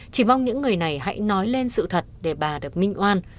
chỉ mong những người này hãy nói lên sự thật để bà được minh oan